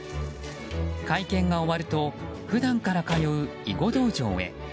会見が終わると普段から通う囲碁道場へ。